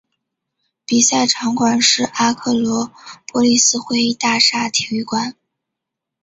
比赛场馆是阿克罗波利斯会议大厦体育馆。